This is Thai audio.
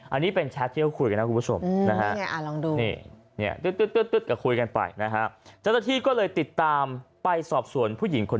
อันนี้เป็นแชทที่เขาคุยกันนะครับคุณผู้ชม